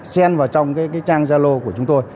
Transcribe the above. sen vào trong trang gia lô của chúng tôi